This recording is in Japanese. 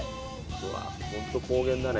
ホント高原だね